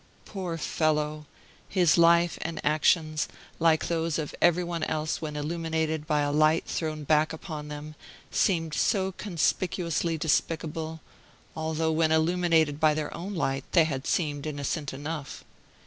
Poor fellow! his life and actions, like those of every one else when illuminated by a light thrown back upon them, seemed so conspicuously despicable, although when illuminated in their own light they had seemed innocent enough.